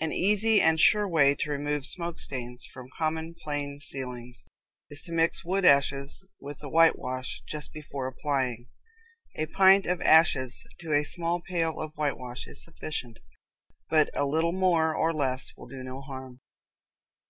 An easy and sure way to remove smoke stains from common plain ceilings is to mix wood ashes with the whitewash just before applying. A pint of ashes to a small pail of whitewash is sufficient, but a little more or less will do no harm.